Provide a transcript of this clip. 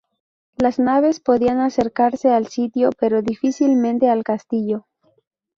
Las naves podían acercarse al sitio pero difícilmente al castillo.